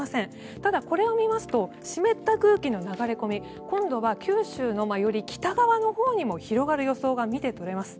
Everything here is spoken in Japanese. ただ、これを見ますと湿った空気の流れ込み今度は九州のより北側のほうにも広がる予想が見て取れます。